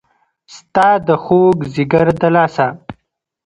ستا د خوږ ځیګر د لاسه